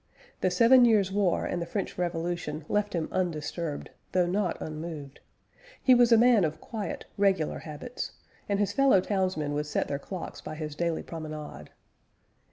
The Seven Years' War and the French Revolution left him undisturbed, though not unmoved. He was a man of quiet, regular habits, and his fellow townsmen would set their clocks by his daily promenade.